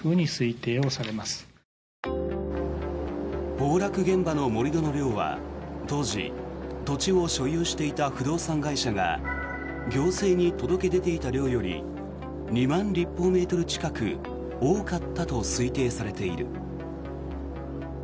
崩落現場の盛り土の量は当時、土地を所有していた不動産会社が行政に届け出ていた量より２万立方メートル近く多かったと推定されている。